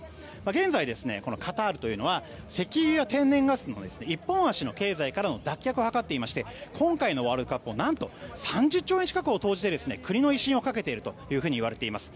現在、カタールというのは石油や天然ガスの一本足の経済からの脱却を図っていまして今回のワールドカップにも何と３０兆円近くを投じて国の威信をかけているといわれています。